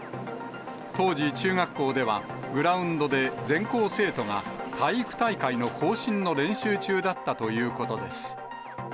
当時、中学校ではグラウンドで全校生徒が体育大会の行進の練習中だったということです。